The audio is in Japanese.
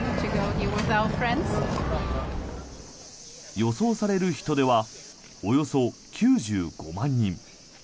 予想される人出はおよそ９５万人。